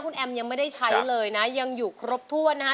คุณแอมยังไม่ได้ใช้เลยนะยังอยู่ครบถ้วนนะฮะ